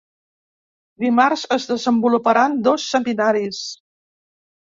Dimarts es desenvoluparan dos seminaris.